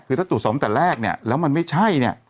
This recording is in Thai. คือถ้าตรวจสอบตั้งแต่แรกแล้วมันไม่ใช่